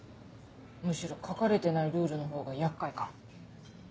むしろ書かれてないルールのほうが厄介かも。